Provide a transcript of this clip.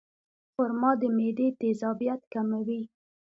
خرما د معدې تیزابیت کموي.